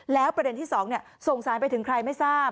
แล้วประเด็นที่๒ส่งสารไปถึงใครไม่ทราบ